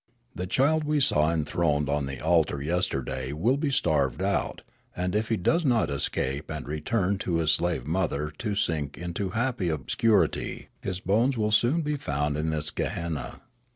The child we saw enthroned on the altar yesterday will be starved out, and, if he does not escape and return to his slave mother to sink into happy ob scurity, his bones will soon be found in this gehenna.